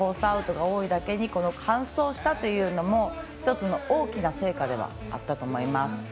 アウトが多いということを考えればこの完走したというのも１つの大きな成果ではあったと思います。